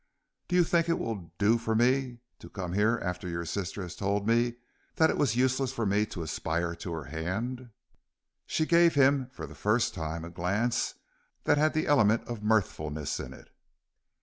"Do you think it will do for me to come here after your sister has told me that it was useless for me to aspire to her hand?" She gave him for the first time a glance that had the element of mirthfulness in it.